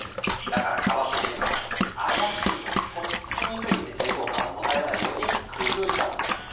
だからカバットジンは「怪しい」とか「とっつきにくい」って抵抗感を持たれないように工夫したんだ。